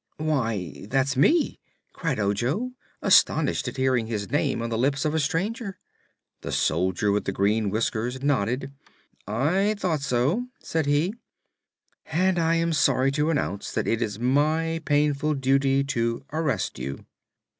"Why, that's me!" cried Ojo, astonished at hearing his name on the lips of a stranger. The Soldier with the Green Whiskers nodded. "I thought so," said he, "and I am sorry to announce that it is my painful duty to arrest you."